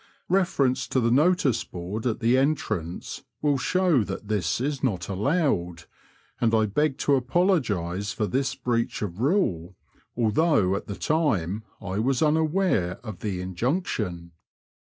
(Reference to the notice board at the entrance will show that this is not allowed, and I beg to apologise for this breach of rule, although at the time 1 was unaware of the injunction.)